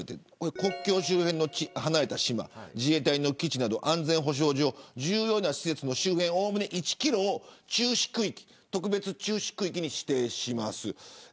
国境周辺の離れた島自衛隊の基地など安全保障上重要な施設の周辺おおむね１キロを特別注視区域に指定します。